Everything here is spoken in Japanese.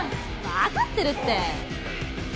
わかってるって。